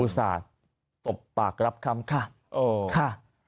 อู่สาตบปากก็รับคำค่ะค่ะ